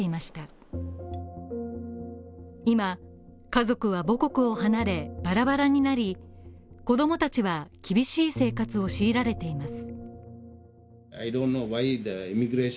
今家族は母国を離れ、バラバラになり、子供たちは厳しい生活を強いられています。